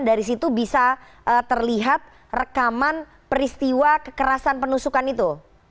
dari situ bisa terlihat rekaman peristiwa kekerasan penusukan itu